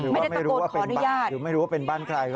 ไม่ได้ตะโกนขออนุญาตหรือว่าไม่รู้ว่าเป็นบ้านใคร